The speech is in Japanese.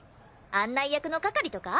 案内役の係とか。